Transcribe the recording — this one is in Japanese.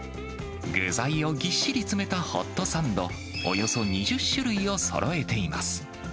具材をぎっしり詰めたホットサンド、およそ２０種類をそろえています。